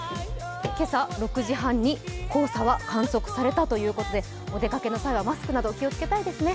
今朝、６時半に黄砂が観測されたということでお出かけの際はマスクなど気をつけたいですね。